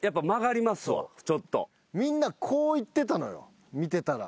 みんなこういってたのよ見てたら。